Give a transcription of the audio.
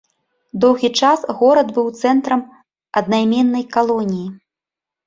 Доўгі час горад быў цэнтрам аднайменнай калоніі.